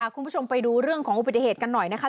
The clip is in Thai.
คุณผู้ชมไปดูเรื่องของอุบัติเหตุกันหน่อยนะคะ